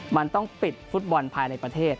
มันต้องปิดฟุตบอลภายในประเทศ